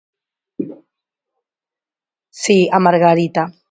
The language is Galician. Si, a margarita.